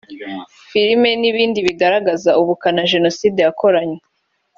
film n’ibindi bigaragaza ubukana Jenoside yakoranywe